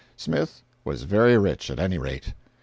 Smith was very rich at any rate.